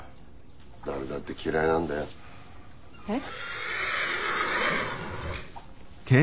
誰だって嫌いなんだよ。えっ？